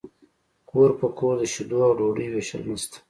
کور په کور د شیدو او ډوډۍ ویشل نشته